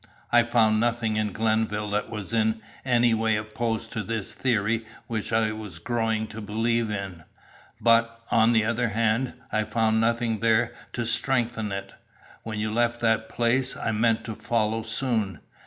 I found nothing in Glenville that was in any way opposed to this theory which I was growing to believe in, but, on the other hand, I found nothing there to strengthen it. When you left that place, I meant to follow soon.